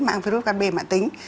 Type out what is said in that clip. mang virus gan b mạng tính